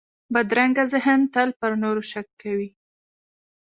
بدرنګه ذهن تل پر نورو شک کوي